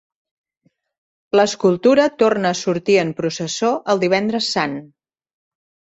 L'escultura torna a sortir en processó el Divendres Sant.